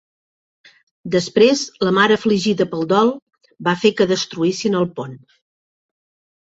Després, la mare afligida pel dol va fer que destruïssin el pont.